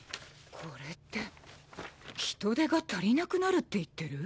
これって人手が足りなくなるって言ってる？